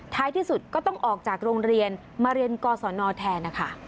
ที่สุดก็ต้องออกจากโรงเรียนมาเรียนกศนแทนนะคะ